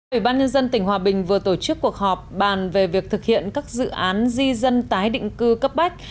chủ tịch ubnd tỉnh hòa bình vừa tổ chức cuộc họp bàn về việc thực hiện các dự án di dân tái định cư cấp bách